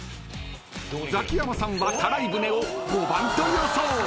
［ザキヤマさんはたらい舟を５番と予想］